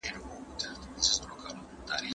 پانګي په اقتصادي پرمختيا کي غوره رول ولوباوه.